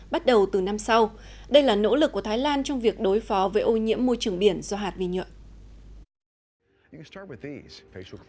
bắt đầu từ năm sau đây là nỗ lực của thái lan trong việc đối phó với ô nhiễm môi trường biển do hạt vi nhựa